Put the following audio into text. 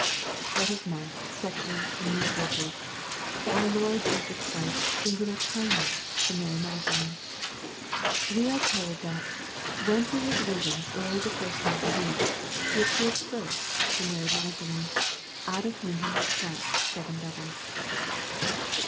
Let us mark, secondly, in these verses, our Lord Jesus Christ's singular kindness to Mary Magdalene. We ait? told that " when he was risen early the first day of the week, he appeared first to Mary Magdalene, out of whom he had cast seven devils."